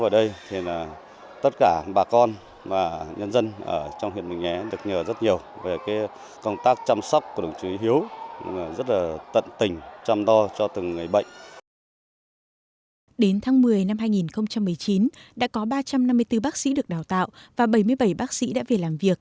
đến tháng một mươi năm hai nghìn một mươi chín đã có ba trăm năm mươi bốn bác sĩ được đào tạo và bảy mươi bảy bác sĩ đã về làm việc